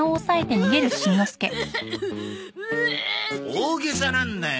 大げさなんだよ！